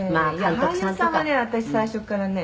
「俳優さんはね私最初からね」